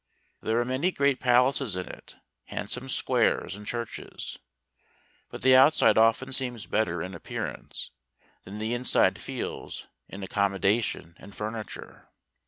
There are many grand palaces in it, handsome squares, and churches ; but the outside often seems better in appearance, than the inside feels in accommo¬ dation and furniture.